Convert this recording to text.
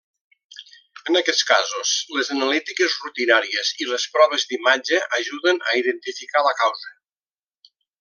En aquests casos, les analítiques rutinàries i les proves d'imatge ajuden a identificar la causa.